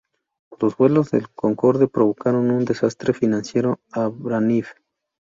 Los vuelos del Concorde provocaron un desastre financiero a Braniff.